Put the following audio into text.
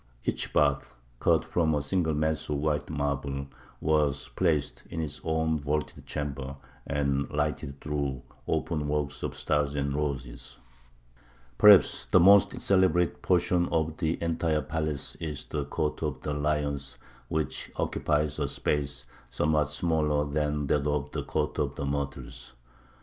Each bath, cut from a single mass of white marble, was placed in its own vaulted chamber, and lighted through openwork of stars and roses. [Illustration: PLAN OF THE CITY OF GRANADA] Perhaps the most celebrated portion of the entire palace is the Court of the Lions, which occupies a space somewhat smaller than that of the Court of the Myrtles.